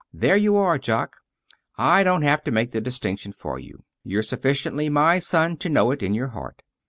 "There you are. Jock, I don't have to make the distinction for you. You're sufficiently my son to know it, in your heart.